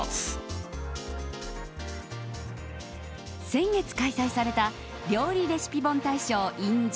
先月開催された料理レシピ本大賞ｉｎＪａｐａｎ。